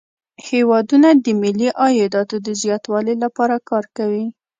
هیوادونه د ملي عایداتو د زیاتوالي لپاره کار کوي